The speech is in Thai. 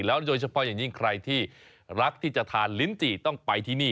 โดยเฉพาะอย่างยิ่งใครที่รักที่จะทานลิ้นจี่ต้องไปที่นี่